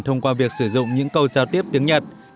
thông qua việc sử dụng những câu giao tiếp tiếng nhật